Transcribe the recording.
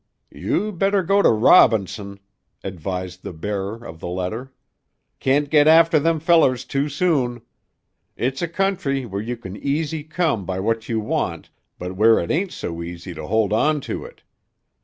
"You better go to Robinson," advised the bearer of the letter; "can't get after them fellers too soon. It's a country where you can easy come by what you want, but where it ain't so easy to hold on to it.